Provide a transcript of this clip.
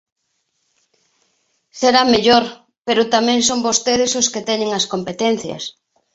Será mellor, pero tamén son vostedes os que teñen as competencias.